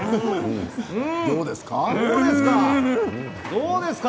どうですか。